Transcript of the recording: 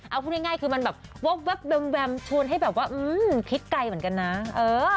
เอาพูดง่ายคือมันแบบแวมชวนให้แบบว่าพลิกไกลเหมือนกันนะเออ